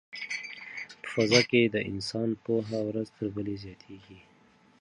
په فضا کې د انسان پوهه ورځ تر بلې زیاتیږي.